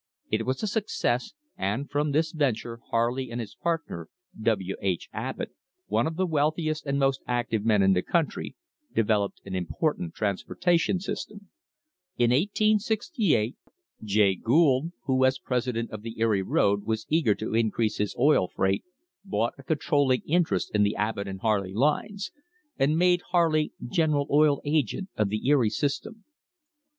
It was a success, and from this venture Harley and his partner, W. H. Abbott, one of the wealthiest and most active men in the country, developed an important trans portation system. In 1868 J ay Gould, who as president of the Erie road was eager to increase h is oil freight, bought a controlling interest in the Abbott and Ha rl ey lines, and made Harley "General Oil Agent" of the Erie system.